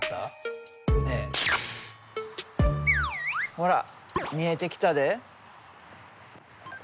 ほら見えてきたで。